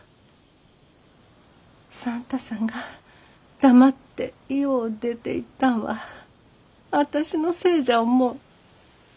算太さんが黙って家を出ていったんは私のせいじゃ思う。